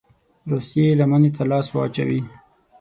روسيې لمني ته لاس واچوي.